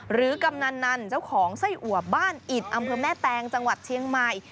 กำนันนันเจ้าของไส้อัวบ้านอิดอำเภอแม่แตงจังหวัดเชียงใหม่